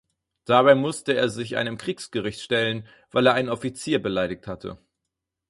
Dabei musste er sich einem Kriegsgericht stellen, weil er einen Offizier beleidigt hatte.